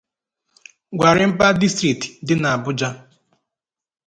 Gwarimpa District' dị n'Abụja